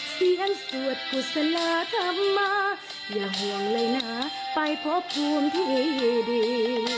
เสียงสวดกุศลาธรรมมาอย่าห่วงเลยนะไปพบภูมิที่ดี